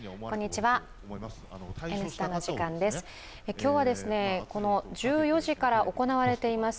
今日は、この１４時から行われています